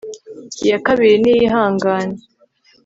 iya kabiri niyihangane